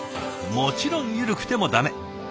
もちろん緩くても駄目。